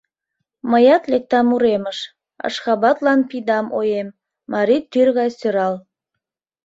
Мыят лектам уремыш — Ашхабадлан пидам оем, марий тӱр гай сӧрал.